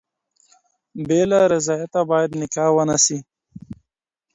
بېله رضایته بايد نکاح ونسي.